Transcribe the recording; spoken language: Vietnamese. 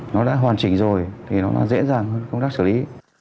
nó đã hoàn chỉnh rồi thì nó dễ dàng hơn công tác xử lý